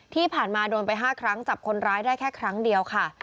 ที่ผ่านมาโดนไป๕ครั้งจับคนร้ายได้แค่ครั้งเดียวค่ะ